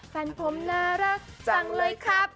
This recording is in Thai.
แฟนผมน่ารักจังเลยครับ